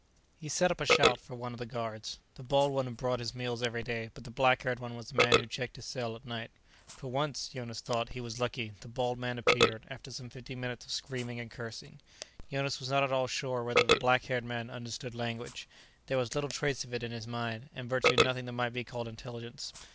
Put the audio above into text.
He set up a shout for one of the guards. The bald one had brought his meals every day, but the black haired one was the man who checked his cell at night. For once, Jonas thought, he was lucky; the bald man appeared, after some fifteen minutes of screaming and cursing. Jonas was not at all sure whether the black haired man understood language: there was little trace of it in his mind, and virtually nothing that might be called intelligence.